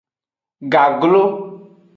Goglo.